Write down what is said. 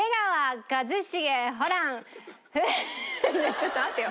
ちょっと待ってよ。